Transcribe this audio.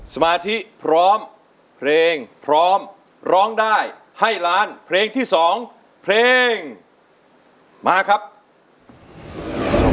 สมาธิพร้อมเพลงพร้อมร้องได้ให้ล้านเพลงที่สองเพลงมาครับ